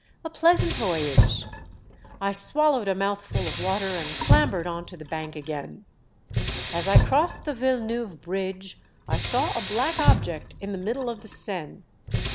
A pleasant voyage ! I swallowed a mouthful of water and clambered on to the bank again. " As I crossed the Villeneuve bridge I saw a black object in the middle of the Seine.